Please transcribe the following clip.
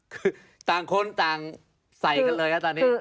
คือต่างคนต่างใส่กันเลยครับตอนนี้